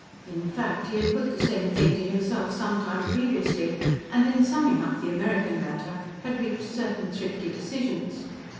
In fact, he had put the same thing to himself some time previously, and, in summing up the American matter, had reached certain thrifty decisions.